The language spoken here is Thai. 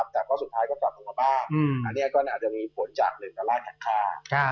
แต่สุดท้ายก็ตรงกระป้าบนี่ก็อาจจะมีผลจากภาษาการ